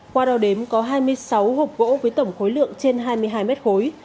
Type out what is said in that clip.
qua đào đếm có hai mươi sáu hộp gỗ với tổng khối lượng trên hai mươi hai mét khối